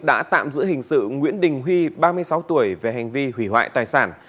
đã tạm giữ hình sự nguyễn đình huy ba mươi sáu tuổi về hành vi hủy hoại tài sản